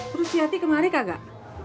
terus siati kemarin kagak